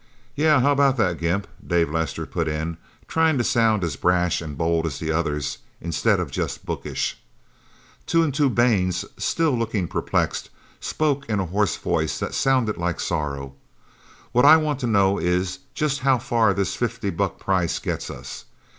"Yeah how about that, Gimp?" Dave Lester put in, trying to sound as brash and bold as the others, instead of just bookish. Two and Two Baines, still looking perplexed, spoke in a hoarse voice that sounded like sorrow. "What I wanna know is just how far this fifty buck price gets us.